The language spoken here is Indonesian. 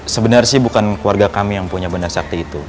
sebenarnya sih bukan keluarga kami yang punya benda sakti itu